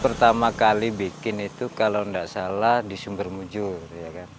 pertama kali pak cip bikin itu kalau tidak salah di sumber mujur